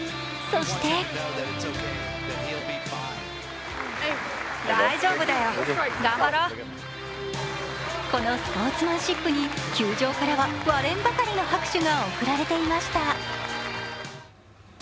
そしてこのスポーツマンシップに球場からは割れんばかりの拍手が送られていました。